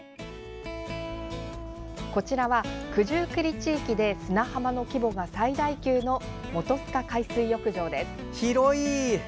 こちらは、九十九里地域で砂浜の規模が最大級の本須賀海水浴場です。